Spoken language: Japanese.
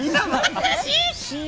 懐かしいね。